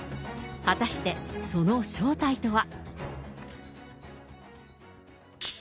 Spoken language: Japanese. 果たしてその正体とは。